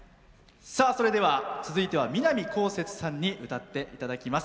続いては、南こうせつさんに歌っていただきます。